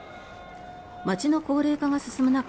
街の高齢化が進む中